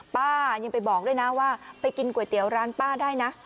ป้ายังไปบอกด้วยนะว่าไปกินก๋วยเตี๋ยวร้านป้าได้นะ